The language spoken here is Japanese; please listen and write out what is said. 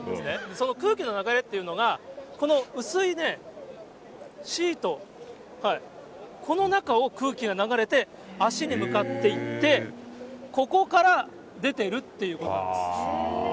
その空気の流れっていうのが、この薄いね、シート、この中を空気が流れて、足に向かっていって、ここから出てるっていうことなんです。